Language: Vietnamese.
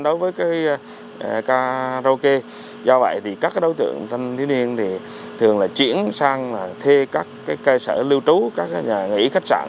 đối với karaoke các đối tượng thanh niên thường chuyển sang thê các cơ sở lưu trú các nhà nghỉ khách sạn